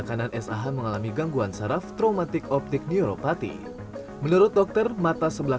kanan sah mengalami gangguan saraf traumatik optik neuropati menurut dokter mata sebelah